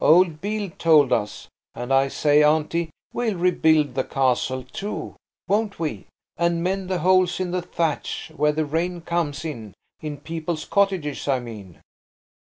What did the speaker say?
Old Beale told us. And, I say, Auntie, we'll rebuild the castle, too, won't we, and mend the holes in the thatch–where the rain comes in–in people's cottages, I mean."